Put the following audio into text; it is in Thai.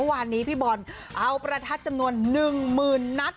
วันนี้พี่บอลเอาประทัดจำนวน๑๐๐๐นัด